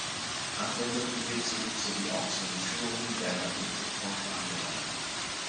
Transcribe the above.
Anmeldungen hierzu sowie auch zu den Führungen werden am Info-Point angenommen.